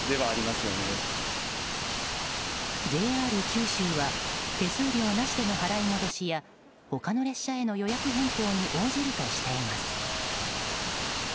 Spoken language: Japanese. ＪＲ九州は手数料なしでの払い戻しや他の列車への予約変更に応じるとしています。